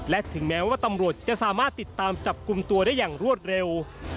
และถึงแม้ว่าตำรวจจะสามารถติดตามจับกลุ่มตัวได้อย่างรวดเร็ว